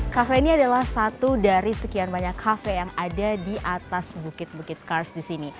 kafe ini adalah satu dari sekian banyak kafe yang ada di atas bukit bukit kars di sini